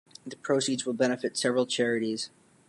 The proceeds will benefit several charities.